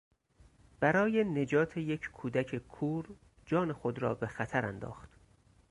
برای نجات یک کودک کور جان خود را به خطر انداخت.